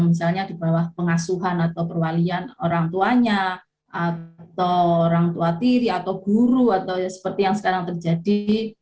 misalnya di bawah pengasuhan atau perwalian orang tuanya atau orang tua tiri atau guru atau seperti yang sekarang terjadi